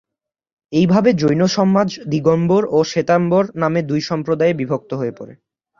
এইভাবে জৈন সমাজ দিগম্বর ও শ্বেতাম্বর নামে দুই সম্প্রদায়ে বিভক্ত হয়ে পড়ে।